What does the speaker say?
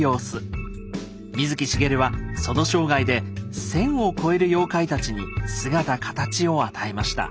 水木しげるはその生涯で１，０００を超える妖怪たちに姿形を与えました。